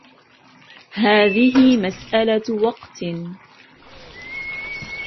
هذه مسألة وقت.